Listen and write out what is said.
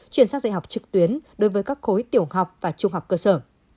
chuyển sang dạy học trực tuyến đối với các khối tiểu học và trung học cơ sở